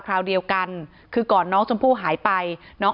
ที่มีข่าวเรื่องน้องหายตัว